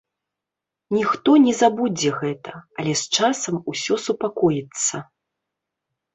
Ніхто не забудзе гэта, але з часам усё супакоіцца.